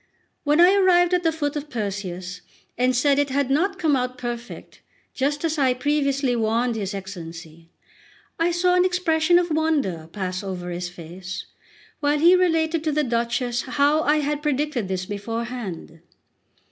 When I arrived at the foot of Perseus, and said it had not come out perfect, just as I previously warned his Excellency, I saw an expression of wonder pass over his face, while he related to the Duchess how I had predicted this beforehand.